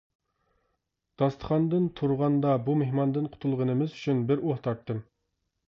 داستىخاندىن تۇرغاندا بۇ مېھماندىن قۇتۇلغىنىمىز ئۈچۈن بىر ئۇھ تارتتىم.